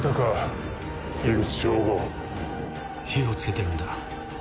火を付けてるんだ。